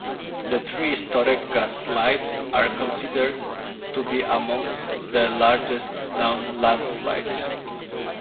The three Storegga Slides are considered to be amongst the largest known landslides.